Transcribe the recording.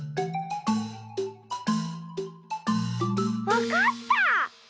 わかった！